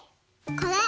これ！